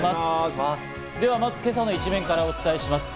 では、まずは今朝の一面からお伝えします。